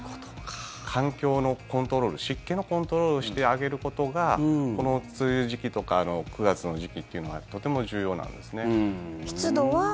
環境のコントロール湿気のコントロールをしてあげることがこの梅雨時期とか９月の時期というのはとても重要なんですね。